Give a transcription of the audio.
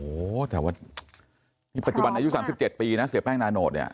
โอ้โหแต่ว่านี่ปัจจุบันอายุ๓๗ปีนะเสียแป้งนาโนตเนี่ย